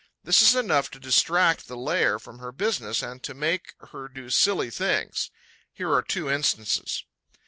This is enough to distract the layer from her business and to make her do silly things. Here are two instances.